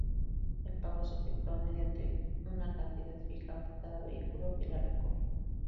El pago se efectúa mediante una cantidad fija por cada vehículo que la recorra.